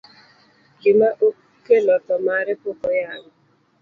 Gima okelo tho mare pok oyangi.